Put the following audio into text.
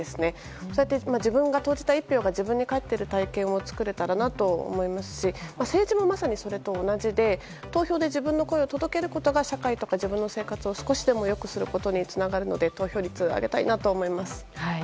そうやって自分が投じた１票が自分に返る体験を作れたら思いますし、政治もまさにそれと同じで投票で自分の声を届けることが社会や自分の生活をよくすることにつながるので投票率を上げたいと思います。